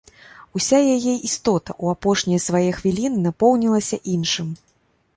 Уся яе істота ў апошнія свае хвіліны напоўнілася іншым.